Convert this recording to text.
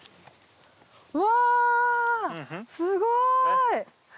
うわすごい。